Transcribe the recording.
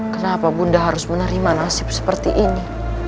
kenapa bunda harus menerima nasib seperti ini